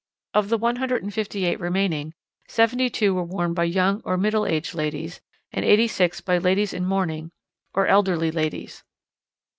Of the one hundred and fifty eight remaining, seventy two were worn by young or middle aged ladies, and eighty six by ladies in mourning or elderly ladies."